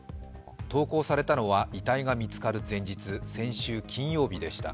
投稿されたのは遺体が見つかる前日、先週金曜日でした。